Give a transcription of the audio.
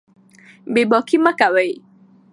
بې باکي مه کوئ.